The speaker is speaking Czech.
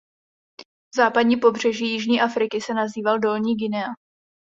Západní pobřeží jižní Afriky se nazýval „"Dolní Guinea"“.